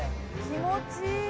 「気持ちいい！」